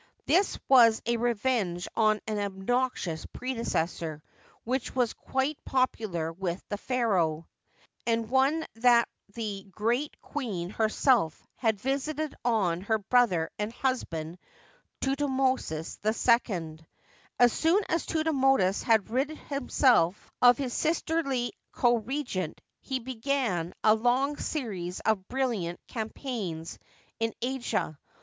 This was a revenge on an obnoxious predecessor, which was quite popular with the pharaohs, and one that the g^eat queen herself had visiteci on her brother and husband, Thutmo sis II. As soon as Thutmosis had rid himself of his sisterly co regent, he began a long series of brilliant campaigns in Asia.